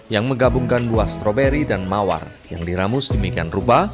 yang menggabungkan buah stroberi dan mawar yang diramus demikian rupa